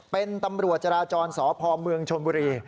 เป็นตำรวจจราจรสพเมืองชนบุรี